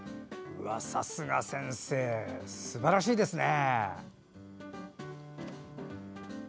さすが先生すばらしいですね。